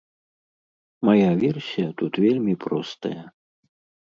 Мая версія тут вельмі простая.